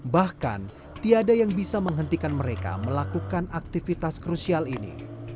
bahkan tiada yang bisa menghentikan mereka melakukan aktivitas krusial ini